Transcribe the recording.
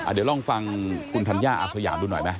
เดี๋ยวลองฟังคุณธัญญาอาสยามดูหน่อยไหม